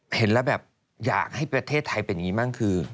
เห็นแล้วแบบอยากให้ประเทศไทยเป็นอย่างนี้บ้างคือ